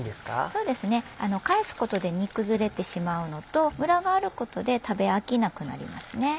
そうですね返すことで煮崩れてしまうのとムラがあることで食べ飽きなくなりますね。